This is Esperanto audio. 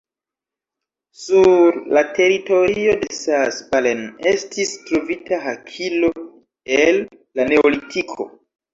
Sur la teritorio de Saas-Balen estis trovita hakilo el la neolitiko.